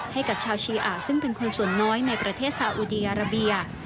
ให้กับชาวชีอ่าซึ่งเป็นคนส่วนน้อยในประเทศซาอุดีอาราเบีย